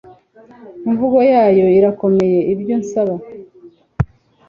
imvugo yayo irakomeye-ibyo nsaba